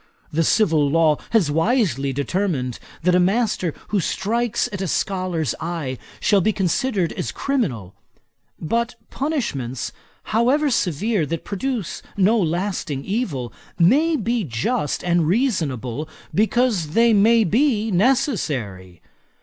The civil law has wisely determined, that a master who strikes at a scholar's eye shall be considered as criminal. But punishments, however severe, that produce no lasting evil, may be just and reasonable, because they may be necessary.